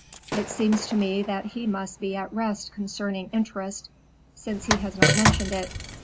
It seems to me that he must be at rest concerning interest, since he has not mentioned it.